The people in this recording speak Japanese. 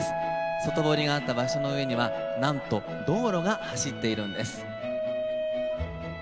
外堀があった場所の上には道路が走っているんです。